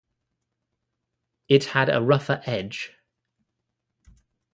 It had a rougher edge.